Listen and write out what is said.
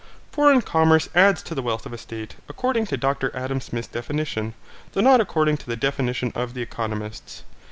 Foreign commerce adds to the wealth of a state, according to Dr Adam Smith's definition, though not according to the definition of the economists.